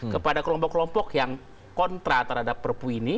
kepada kelompok kelompok yang kontra terhadap perpu ini